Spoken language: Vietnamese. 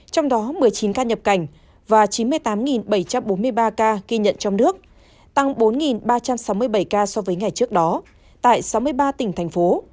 trong đó một mươi chín ca nhập cảnh và chín mươi tám bảy trăm bốn mươi ba ca ghi nhận trong nước tăng bốn ba trăm sáu mươi bảy ca so với ngày trước đó tại sáu mươi ba tỉnh thành phố